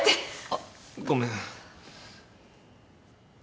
あっごめん。